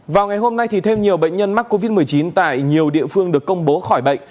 vào ngày hôm nay thêm nhiều bệnh nhân mắc covid một mươi chín tại nhiều địa phương được công bố khỏi bệnh